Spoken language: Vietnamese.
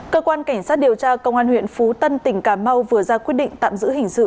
cơ quan cảnh sát điều tra công an huyện phú tân tỉnh cà mau vừa ra quyết định tạm giữ hình sự